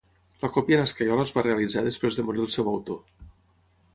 La còpia en escaiola es va realitzar després de morir el seu autor.